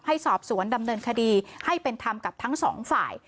สอบสวนดำเนินคดีให้เป็นธรรมกับทั้งสองฝ่าย